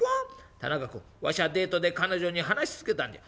「田中君わしゃデートで彼女に話し続けたんじゃ」。